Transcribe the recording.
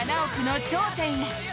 ４７億の頂点へ。